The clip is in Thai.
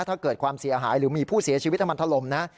ถ้าเกิดความเสียหายหรือมีผู้เสียชีวิตถ้ามันถล่มนะ